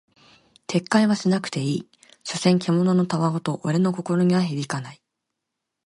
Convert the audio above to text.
撤回はしなくていい、所詮獣の戯言俺の心には響かない。